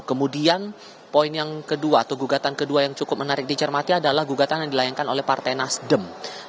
kemudian poin yang kedua atau gugatan kedua yang cukup menarik dicermati adalah gugatan yang dilayangkan oleh partai nasdem